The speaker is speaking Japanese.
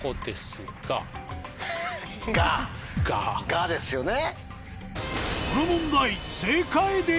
「が」ですよね。